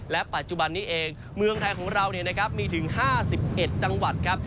และปัจจุบันนี้เองเมืองไทยของเรามีถึง๕๑จังหวัดครับ